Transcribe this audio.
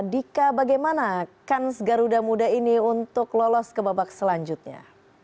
dika bagaimana kans garuda muda ini untuk lolos ke babak selanjutnya